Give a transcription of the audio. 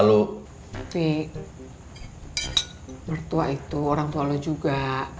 tapi mertua itu orang tua lo juga